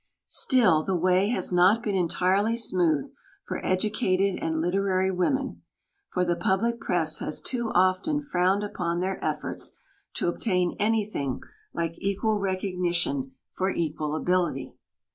Still, the way has not been entirely smooth for educated and literary women, for the public press has too often frowned upon their efforts to obtain anything like equal recognition for equal ability.